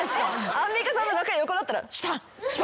アンミカさんの楽屋横だったら。